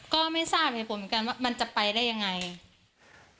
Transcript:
ก็ไม่ทราบเหตุผลเหมือนกันว่ามันจะไปได้ยังไง